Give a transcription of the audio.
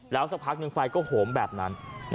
แล้วสักพักหนึ่งไฟก็โหมแบบนั้น